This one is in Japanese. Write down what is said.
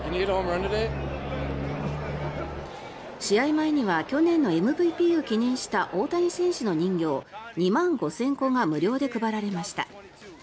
試合前には去年のＭＶＰを記念した大谷選手の人形２万５０００個が無料で配られました。